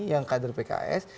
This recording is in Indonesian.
yang kader pks